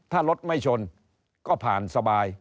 ถ้ารถไม่ชนก็ผ่านสบาย